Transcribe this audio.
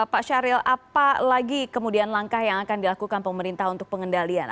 pak syahril apa lagi kemudian langkah yang akan dilakukan pemerintah untuk pengendalian